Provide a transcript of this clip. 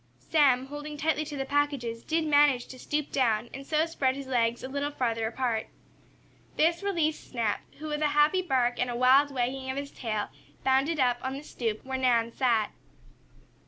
Sam, holding tightly to the packages, did manage to stoop down and so spread his legs a little farther apart. This released Snap, who, with a happy bark, and a wild wagging of his tail, bounded up on the stoop where Nan sat.